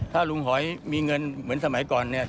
ถ้าลุงหอยมีเงินเหมือนสมัยก่อนเนี่ย